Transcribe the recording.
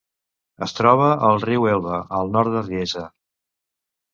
Es troba al riu Elba, a nord de Riesa.